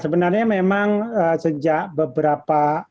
sebenarnya memang sejak beberapa